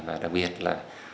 và đặc biệt là